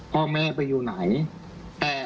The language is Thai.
พี่สาวอายุ๗ขวบก็ดูแลน้องดีเหลือเกิน